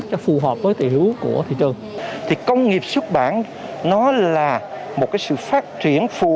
cho phù hợp với tiểu hữu của thị trường thì công nghiệp xuất bản nó là một cái sự phát triển phù